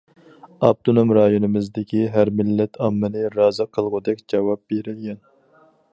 ئاپتونوم رايونىمىزدىكى ھەر مىللەت ئاممىنى رازى قىلغۇدەك جاۋاب بېرىلگەن.